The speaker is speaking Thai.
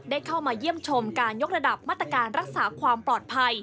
เข้ามาเยี่ยมชมการยกระดับมาตรการรักษาความปลอดภัย